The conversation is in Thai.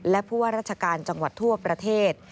และผู้ว่าราชการจังหวัดทั่วประเทศ